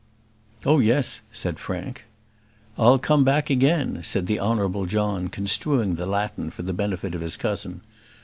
"Oh, yes," said Frank. "'I'll come back again,'" said the Honourable John, construing the Latin for the benefit of his cousin.